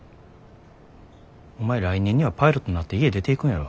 お前来年にはパイロットになって家出ていくんやろ。